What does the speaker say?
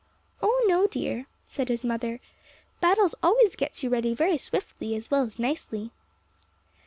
"Oh, no, dear," said his mother; "Battles always gets you ready very swiftly, as well as nicely."